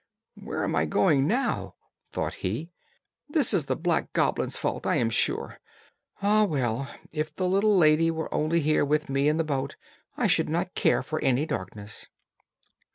"Where am I going now?" thought he. "This is the black goblin's fault, I am sure. Ah, well, if the little lady were only here with me in the boat, I should not care for any darkness."